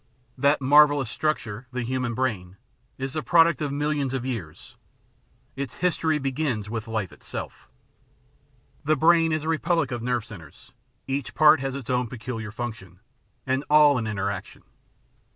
"'That marvellous structure, the human brain, is the product of millions of years ; its history begins with life itself.*' The brain is a republic of nerve centres ; each part has its own peculiar function — and all in inter action.